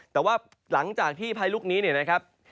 แต่ว่าหลังจากที่พายุลูกนี้เนี่ยนะครับ